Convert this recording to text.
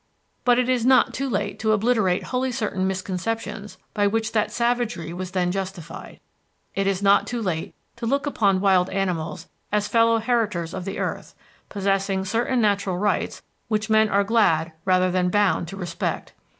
But it is not too late to obliterate wholly certain misconceptions by which that savagery was then justified. It is not too late to look upon wild animals as fellow heritors of the earth, possessing certain natural rights which men are glad rather than bound to respect.